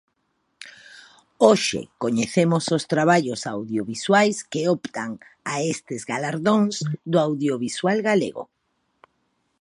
Hoxe coñecemos os traballos audiovisuais que optan a estes galardóns do audiovisual galego.